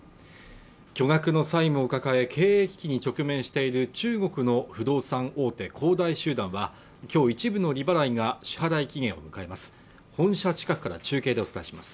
巨額の債務を抱え経営危機に直面している中国の不動産大手、恒大集団は今日一部の利払いが支払期限を迎えます